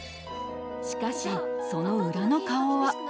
しかしその裏の顔は。